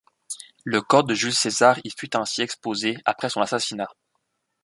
Le corps de Jules César y fut ainsi exposé après son assassinat.